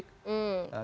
kemudian ke musik musik